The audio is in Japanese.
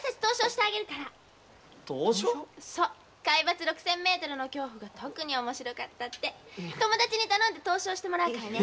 「海抜六千米の恐怖」が特に面白かったって友達に頼んで投書してもらうからね。